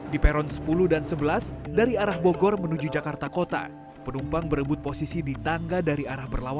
di peron sepuluh dan sebelas dari arah bogor menuju jakarta kota penumpang berebut posisi di tangga dari arah berlawan